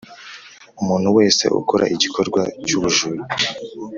Umuntu wese ukora igikorwa cy ubujura